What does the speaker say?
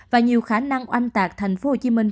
và nhiều khả năng oanh tạc thành phố hồ chí minh